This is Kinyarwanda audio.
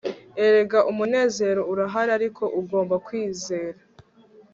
erega umunezero urahari - ariko ugomba kwizera